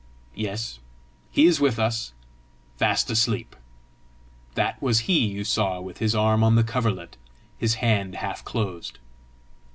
"Yes; he is with us, fast asleep. That was he you saw with his arm on the coverlet, his hand half closed."